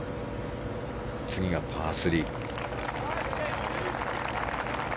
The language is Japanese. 次がパー３。